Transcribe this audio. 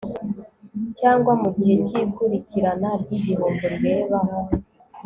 cyangwa mu gihe cy ikurikirana ry igihombo rireba